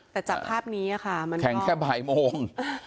แต่จากภาพนี้ค่ะมันแข่งแค่บ่ายโมง